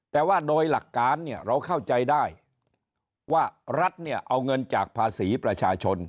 แต่ว่าโดยหลักการเนี่ยเราเข้าใจได้ว่ารัฐเนี่ยเอาเงินจากภาษีประชาชน